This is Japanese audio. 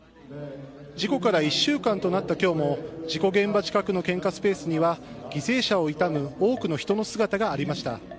事故から１週間となった今日も事故現場近くの献花スペースには犠牲者を悼む多くの人の姿がありました。